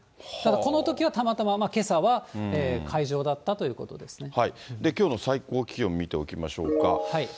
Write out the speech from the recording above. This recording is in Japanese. このときはたまたま、けさは海上きょうの最高気温見ておきましょうか。